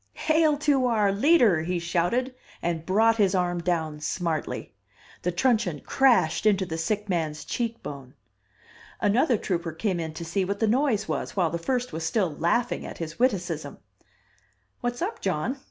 "Hail to our Leader!" he shouted, and brought his arm down smartly. The truncheon crashed into the sick man's cheek bone. Another trooper came in to see what the noise was while the first was still laughing at his wittcism. "What's up, Jon?